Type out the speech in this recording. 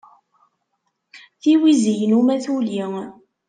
tiwizi-inu ma tuli.